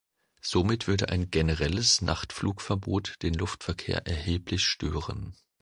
Somit würde ein generelles Nachtflugverbot den Luftverkehr erheblich stören.